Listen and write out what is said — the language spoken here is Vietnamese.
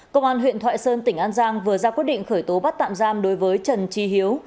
công an huyện thoại sơn tỉnh an giang vừa ra quyết định khởi tố bắt tạm giam đối với trần trí hiếu